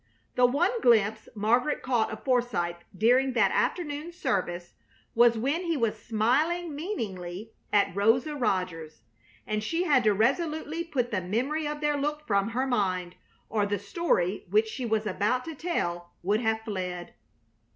The one glimpse Margaret caught of Forsythe during that afternoon's service was when he was smiling meaningly at Rosa Rogers; and she had to resolutely put the memory of their look from her mind or the story which she was about to tell would have fled.